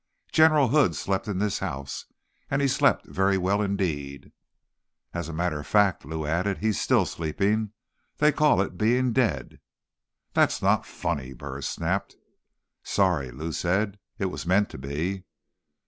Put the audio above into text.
General Hood slept in this house, and he slept very well indeed." "As a matter of fact," Lou added, "he's still sleeping. They call it being dead." "That's not funny," Burris snapped. "Sorry," Lou said. "It was meant to be."